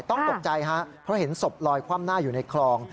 ตกใจฮะเพราะเห็นศพลอยคว่ำหน้าอยู่ในคลอง